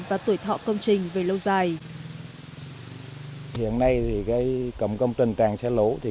và tuổi thọ công trình về lâu dài